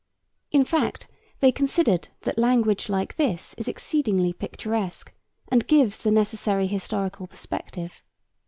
In fact, they considered that language like this is exceedingly picturesque and gives the necessary historical perspective.